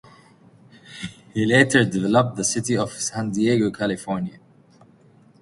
He later developed the city of San Diego, California.